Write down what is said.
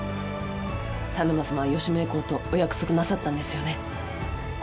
田沼様も吉宗公とお約束なさったんですよね。